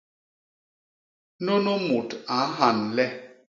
Nunu mut a nhan le!